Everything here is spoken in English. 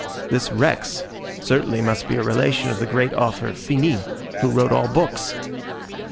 This Rex certainly must be a relation of the great author Finis, who wrote all books!